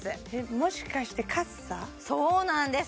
もしかしてそうなんです